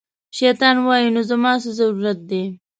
شیطان وایي، نو زما څه ضرورت دی